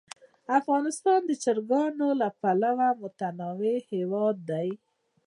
افغانستان د چرګانو له پلوه متنوع هېواد دی.